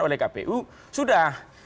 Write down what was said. oleh kpu sudah